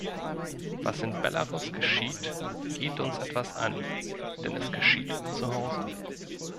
Was in Belarus geschieht, geht uns etwas an, denn es geschieht zu Hause.